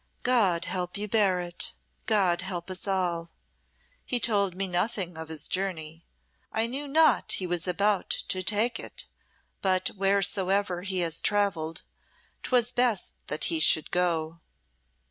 "God help you bear it God help us all. He told me nothing of his journey. I knew not he was about to take it; but wheresoever he has travelled, 'twas best that he should go."